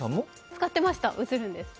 使ってました。